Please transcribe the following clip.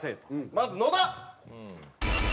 まず野田。